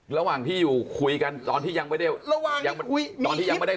ระหว่างที่อยู่คุยกันตอนที่ยังไม่ได้